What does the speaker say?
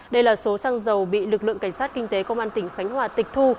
đây là số xăng dầu bị lực lượng cảnh sát kinh tế công an tỉnh khánh hòa tịch thu